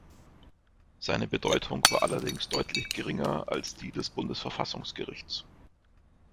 Seine Bedeutung war allerdings deutlich geringer als die des Bundesverfassungsgerichts.